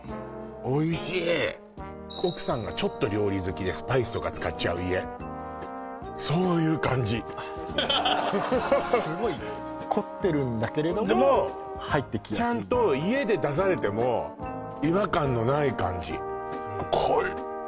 おいしい奥さんがちょっと料理好きでスパイスとか使っちゃう家そういう感じハハハハすごい凝ってるんだけれども入ってきやすいちゃんと家で出されても違和感のない感じこ